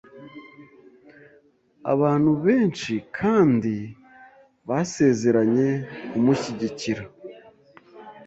Abantu benshi kandi basezeranye kumushyigikira.